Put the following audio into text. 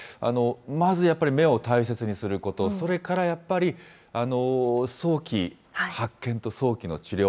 まずやっぱり、目を大切にすること、それからやっぱり早期発見と早期の治療。